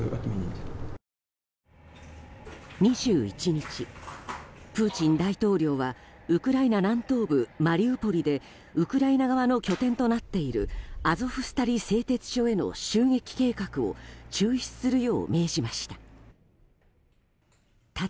２１日、プーチン大統領はウクライナ南東部マリウポリでウクライナ側の拠点となっているアゾフスタリ製鉄所への襲撃計画を中止するよう命じました。